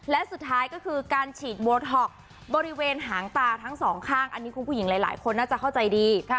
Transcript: และสุดท้ายก็คือการฉีดโบท็อกซ์บริเวณหางตาทั้งสองข้างอันนี้คุณผู้หญิงหลายคนน่าจะเข้าใจดี